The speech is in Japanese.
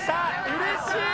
うれしい！